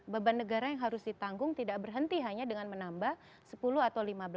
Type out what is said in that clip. beban negara yang harus ditanggung tidak berhenti hanya dengan menambah sepuluh atau lima belas